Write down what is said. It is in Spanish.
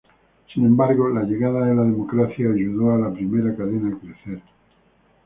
Sin embargo, la llegada de la democracia ayudó a la primera cadena a crecer.